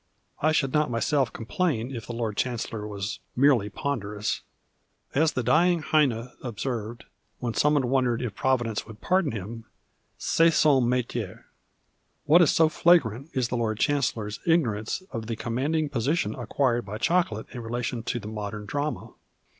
I should not myself complain if the Lord Ciianccllor was merely i)onderous. As the dying Heine observed, when someone wondered if Providence would pardon him, c'esi son metier. What is so flagrant is the Lord Chancellor's ignorance of the eonunanding position acquired by chocolate in relation to the modern drama.